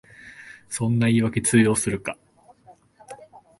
そんな言いわけ通用するか